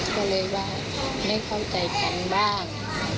ก็เลยว่าไม่เข้าใจกันบ้าง